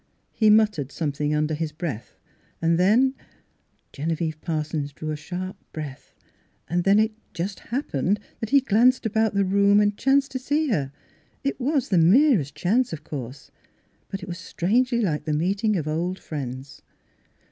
He muttered Miss Philura's Wedding Gown something under his breath, and then — Genevieve Parsons drew a sharp breath, — and then it just happened that he glanced about the room and chanced to see her, — it was the merest chance, of course ; but it was strangely like the meet ing of old friends.